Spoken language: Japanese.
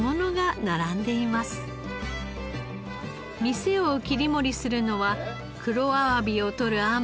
店を切り盛りするのは黒あわびを獲る海士